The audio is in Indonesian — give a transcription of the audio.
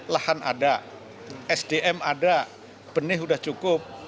lahan ada sdm ada benih sudah cukup